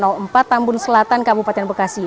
kampung selatan kabupaten bekasi